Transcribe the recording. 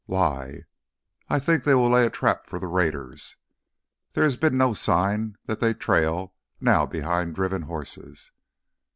"Why?" "I think they will lay a trap for the raiders. There has been no sign that they trail now behind driven horses.